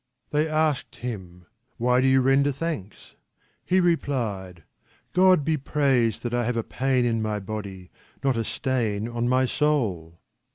They asked him: " Why do you render thanks ?" He replied, " God be praised that I have a pain in my body not a stain on my soul